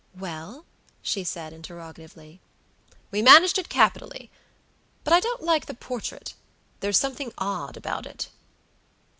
"Well?" she said, interrogatively. "We managed it capitally. But I don't like the portrait; there's something odd about it."